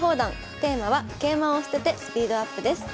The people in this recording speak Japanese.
テーマは「桂馬を捨ててスピードアップ」です。